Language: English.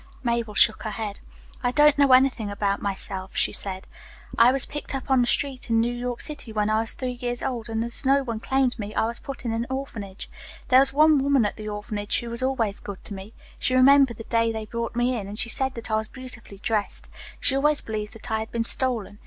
Mabel shook her head. "I don't know anything about myself," she said. "I was picked up on the street in New York City when I was three years old, and as no one claimed me, I was put in an orphanage. There was one woman at the orphanage who was always good to me. She remembered the day they brought me, and she said that I was beautifully dressed. She always believed that I had been stolen.